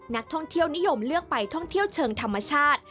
นักท่องเที่ยวนิยมเลือกไปท่องเที่ยวเชิงธรรมชาติ